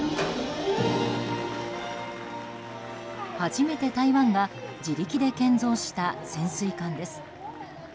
初めて台湾が自力で建造した潜水艦です。